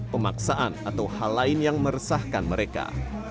pemaksaan atau hal lain yang meresahkan mereka